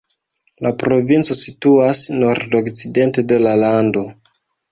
La provinco situas nordokcidente de la lando.